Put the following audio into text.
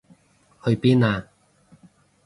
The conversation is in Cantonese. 去邊啊？